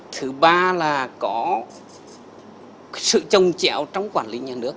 thứ ba là có sự trông chẹo trong quản lý nhà nước